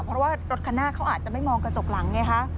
เพราะว่ารถคันหน้าเขาอาจจะไม่มองกระจกหลังไงคะ